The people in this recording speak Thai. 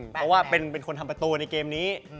เพราะว่าเป็นคนทำประตูในเกมนี้